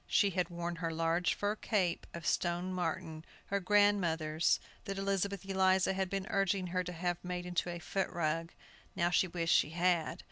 She had worn her large fur cape of stone marten, her grandmother's, that Elizabeth Eliza had been urging her to have made into a foot rug. Now how she wished she had!